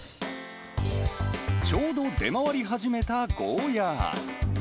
ちょうど出回り始めたゴーヤ。